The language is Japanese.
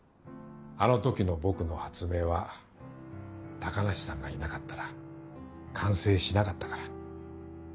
あの時の僕の発明は高梨さんがいなかったら完成しなかったから。